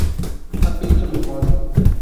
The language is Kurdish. Em bêtir dixwazin.